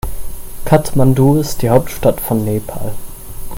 Kathmandu ist die Hauptstadt von Nepal.